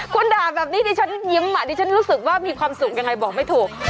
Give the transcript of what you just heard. คุณด่าแบบนี้ดิฉันยิ้มอ่ะดิฉันรู้สึกว่ามีความสุขยังไงบอกไม่ถูก